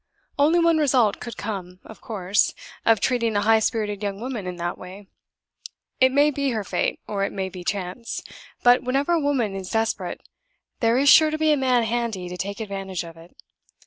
Only one result could come, of course, of treating a high spirited young woman in that way. It may be her fate, or it may be chance; but, whenever a woman is desperate, there is sure to be a man handy to take advantage of it.